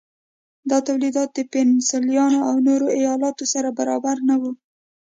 دا تولیدات د پنسلوانیا او نورو ایالتونو سره برابر نه وو.